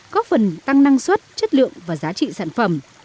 góp phần tăng năng suất chất lượng và giá trị sản phẩm